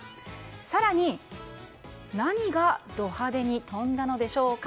更に、何がド派手に飛んだのでしょうか。